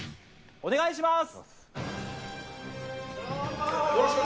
お願いします。